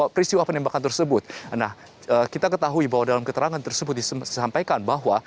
peristiwa penembakan tersebut nah kita ketahui bahwa dalam keterangan tersebut disampaikan bahwa